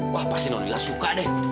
wah pasti nonila suka deh